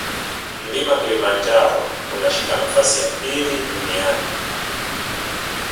mlima kilimanjaro unashika nafasi ya pili duniani